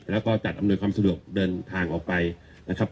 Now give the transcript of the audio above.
แล้วก็จัดอำนวยความสะดวกเดินทางออกไปนะครับ